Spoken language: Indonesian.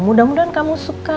mudah mudahan kamu suka